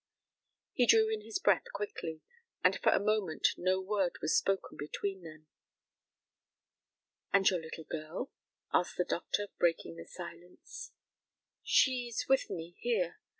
He drew in his breath quickly, and for a moment no word was spoken between them. "And your little girl?" asked the doctor, breaking the silence. "She is with me here.